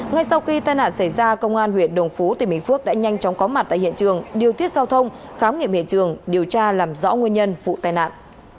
ngay sau khi tai nạn xảy ra công an huyện đồng phú tỉnh bình phước đã nhanh chóng có mặt tại hiện trường điều tiết giao thông khám nghiệm hiện trường điều tra làm rõ nguyên nhân vụ tai nạn